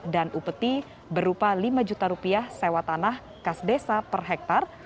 dan upeti berupa lima juta rupiah sewa tanah kas desa per hektare